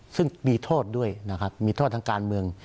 ซึ่งมีโทษด้วยนะครับมีโทษทางการเมือง